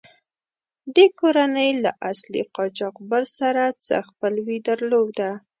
دې کورنۍ له اصلي قاچاقبر سره څه خپلوي درلوده.